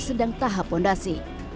sedang tahap fondasi